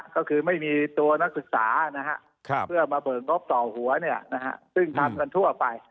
ก็คือไม่มีตัวนักศึกษาเพื่อมาเบิกงบต่อหัวซึ่งทำกันทั่วไป